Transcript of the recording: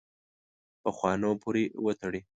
پخوانو پورې وتړي.